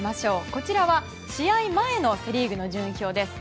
こちらは試合前のセ・リーグの順位表です。